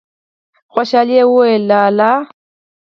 خوشالی يې وويل: لا لا!